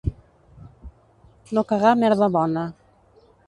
No cagar merda bona.